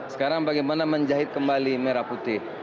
sekarang bagaimana menjahit kembali merah putih